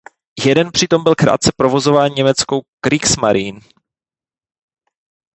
Jeden přitom byl krátce provozován německou Kriegsmarine.